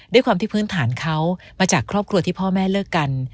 ด้วยความที่พื้นฐานเขามาจากครอบครัวที่พ่อแม่เลิกกัน